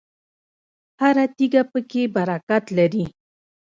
هره تیږه پکې برکت لري.